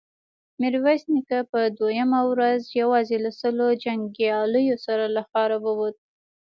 ميرويس نيکه په دوهمه ورځ يواځې له سلو جنګياليو سره له ښاره ووت.